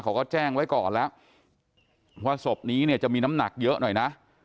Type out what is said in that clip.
เขาก็แจ้งไว้ก่อนแล้วว่าศพนี้เนี่ยจะมีน้ำหนักเยอะหน่อยนะ